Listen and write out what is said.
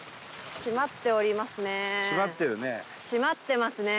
閉まってますね。